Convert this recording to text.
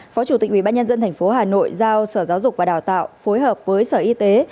phó chủ tịch ubnd tp hà nội giao sở giáo dục và đào tạo phối hợp với sở y tế